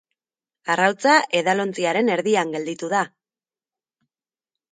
Arrautza edalontziaren erdian gelditu da!